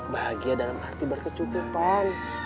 bahagia dalam arti berkecukupan